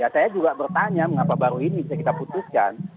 saya juga bertanya mengapa baru ini bisa kita putuskan